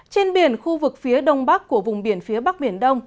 trên biển khu vực phía đông bắc của vùng biển phía bắc biển đông